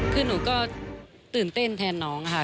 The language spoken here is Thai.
คือหนูก็ตื่นเต้นแทนน้องค่ะ